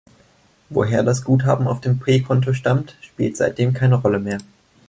Woher das Guthaben auf dem P-Konto stammt, spielt seitdem keine Rolle mehr.